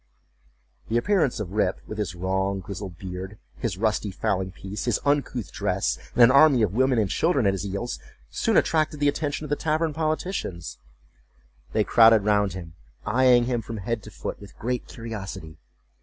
The appearance of Rip, with his long grizzled beard, his rusty fowling piece, his uncouth dress, and an army of women and children at his heels, soon attracted the attention of the tavern politicians. They crowded round him, eyeing him from head to foot with great curiosity.